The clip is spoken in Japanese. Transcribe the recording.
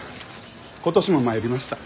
今年も参りました。